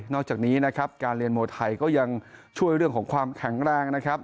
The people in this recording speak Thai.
อกจากนี้นะครับการเรียนมวยไทยก็ยังช่วยเรื่องของความแข็งแรงนะครับ